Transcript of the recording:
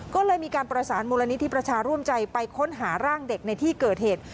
ก็เลยมีการประสานมูลนิธิประชาร่วมใจไปค้นหาร่างเด็กในที่เกิดเหตุ